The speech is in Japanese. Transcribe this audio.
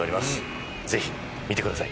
ぜひ見てください！